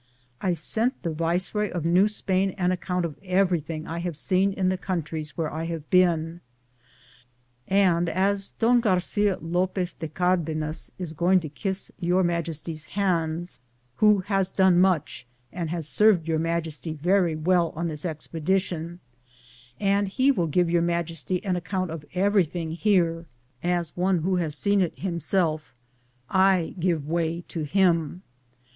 I send the viceroy of New Spain an account of everything I have seen in the countries where I have been, and as Don Garcia Lopez de Cardenas iB going to kiss Your Majesty's hands, who has done much and has served Your Majesty very well on this expedition, and he will give Your Majesty an account of everything here, as one who has seen it himself, I give way to him.